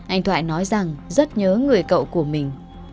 anh thoại nói rằng rất nhớ người cậu của mình